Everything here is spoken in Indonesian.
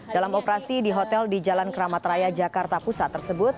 dalam operasi di hotel di jalan keramat raya jakarta pusat tersebut